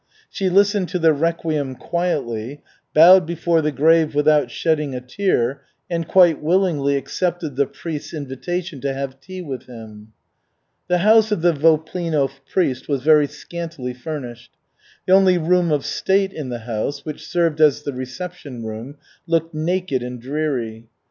She listened to the requiem quietly, bowed before the grave without shedding a tear, and quite willingly accepted the priest's invitation to have tea with him. The house of the Voplino priest was very scantily furnished. The only room of state in the house, which served as the reception room, looked naked and dreary.